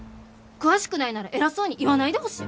詳しくないなら偉そうに言わないでほしい。